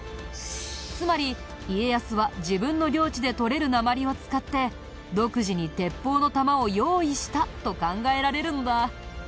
つまり家康は自分の領地で採れる鉛を使って独自に鉄砲の弾を用意したと考えられるのだ。